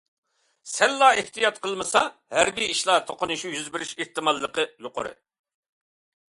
سەللا ئېھتىيات قىلمىسا ھەربىي ئىشلار توقۇنۇشى يۈز بېرىش ئېھتىماللىقى يۇقىرى.